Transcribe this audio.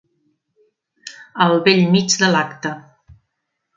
Al bell mig de l'acte.